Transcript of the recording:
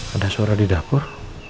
ada suara di dapur